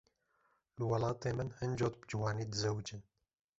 Li welatê min hin cot bi ciwanî dizewicin.